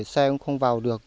xe cũng không vào được